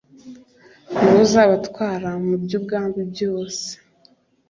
ni we uzabatwara mu byumwami byose